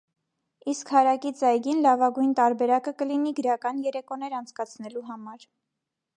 Իսկ հարակից այգին լավագույն տարեբարկը կլինի գրական երեկոներ անցկացնելու համար։